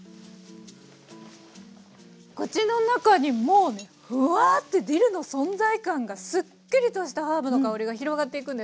口の中にもうねふわってディルの存在感がすっきりとしたハーブの香りが広がっていくんですね。